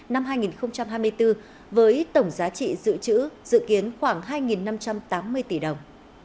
năm hai nghìn hai mươi bốn với tổng giá trị dự trữ dự kiến khoảng hai năm trăm tám mươi tỷ đồng